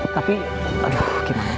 tapi aduh gimana